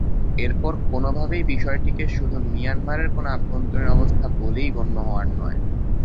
এরপর কোনোভাবেই বিষয়টিকে শুধু মিয়ানমারের কোনো অভ্যন্তরীণ অবস্থা বলেই গণ্য হওয়ার নয়।